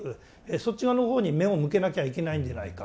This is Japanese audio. そっち側のほうに目を向けなきゃいけないんじゃないか？